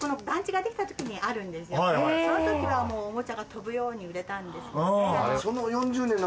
そのときはもうおもちゃが飛ぶように売れたんですけどね。